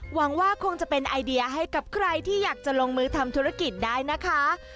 หวังว่าคงจะเป็นไอเดียให้กับใครที่อยากจะลงมือทำธุรกิจได้นะคะ